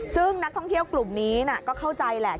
ซึ่งนักท่องเที่ยวกลุ่มนี้ก็เข้าใจแหละ